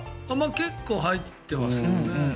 結構入ってますね。